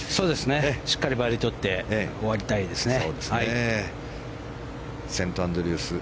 しっかりバーディーをとって終わりたいですね。